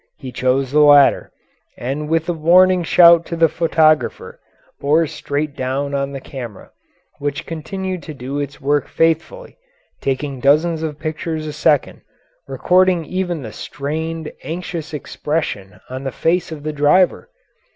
He chose the latter, and, with a warning shout to the photographer, bore straight down on the camera, which continued to do its work faithfully, taking dozens of pictures a second, recording even the strained, anxious expression on the face of the driver.